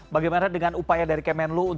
bagaimana dengan upaya dari kementerian pertahanan